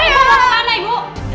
ibu lu kemana ibu